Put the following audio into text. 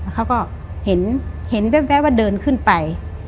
เขาก็เห็นแว๊บว่าเดินขึ้นไป